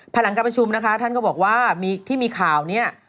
ผ่านหลังการประชุมท่านก็บอกว่าที่มีข่าวนี้